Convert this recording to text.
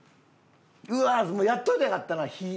うわやっといたらよかったな火。